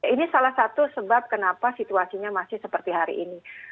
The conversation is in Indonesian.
ini salah satu sebab kenapa situasinya masih seperti hari ini